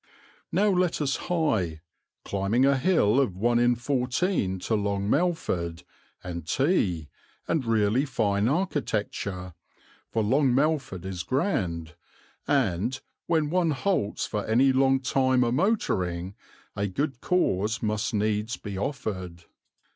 Now let us hie, climbing a hill of 1 in 14, to Long Melford, and tea, and really fine architecture, for Long Melford is grand and, when one halts for any long time a motoring, a good cause must needs be offered.